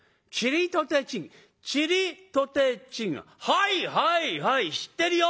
はいはいはい知ってるよ！